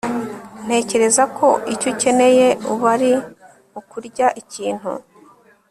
Ntekereza ko icyo ukeneye ubu ari ukurya ikintu